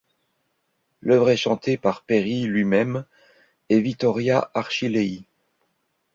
L'œuvre est chantée par Peri, lui-même et Vittoria Archilei.